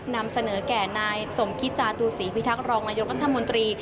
นำเสนอแก่นายสมคิตจาตุศรีพิทักษ์รองนายกรัฐมนตรี